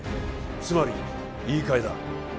つまり言い換えだ